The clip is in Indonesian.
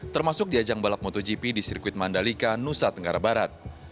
termasuk di ajang balap motogp di sirkuit mandalika nusa tenggara barat